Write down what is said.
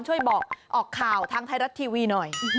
ช่วยบอกออกข่าวทางไทยรัฐทีวีหน่อย